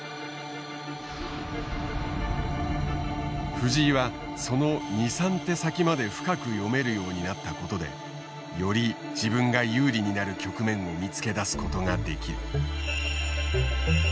藤井はその２３手先まで深く読めるようになったことでより自分が有利になる局面を見つけ出すことができる。